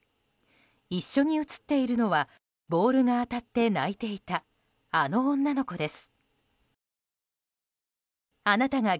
一緒に写っているのはボールが当たって泣いていたあの女の子です。